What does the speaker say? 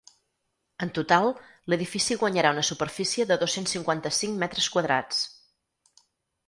En total, l’edifici guanyarà una superfície de dos-cents cinquanta-cinc metres quadrats.